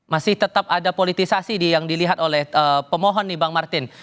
masih tetap ada politisasi yang dilihat oleh pemohon nih bang martin